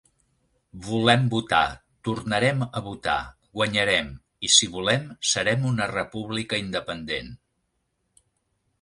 Volem votar, tornarem a votar, guanyarem i si volem, serem una república independent!